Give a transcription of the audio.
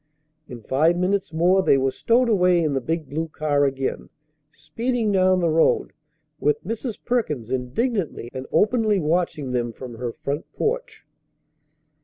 In five minutes more they were stowed away in the big blue car again, speeding down the road, with Mrs. Perkins indignantly and openly watching them from her front porch.